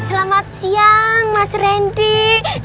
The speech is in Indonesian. selamat siang mas rendy